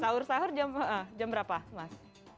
sahur sahur jam berapa mas